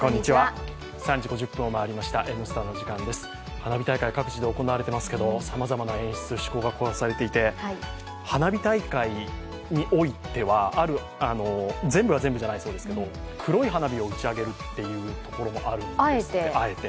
花火大会、各地で行われていますけど、さまざまな演出が行われていて花火大会においては、ある全部が全部じゃないそうですがあえて黒い花火を打ち上げるっていうところもあるんですね。